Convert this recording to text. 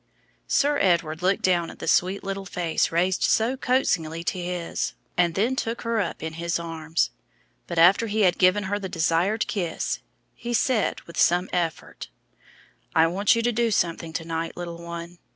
Sir Edward looked down at the sweet little face raised so coaxingly to his, and then took her up in his arms; but after he had given her the desired kiss he said, with some effort, "I want you to do something to night, little one.